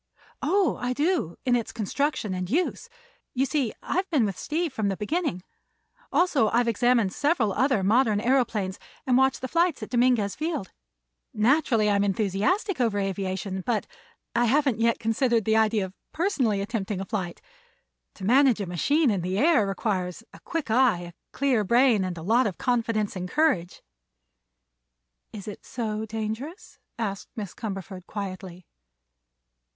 "Oh, I do, in its construction and use. You see, I've been with Steve from the beginning; also I've examined several other modern aëroplanes and watched the flights at Dominguez Field. Naturally I'm enthusiastic over aviation, but I haven't yet considered the idea of personally attempting a flight. To manage a machine in the air requires a quick eye, a clear brain and a lot of confidence and courage." "Is it so dangerous?" asked Miss Cumberford quietly.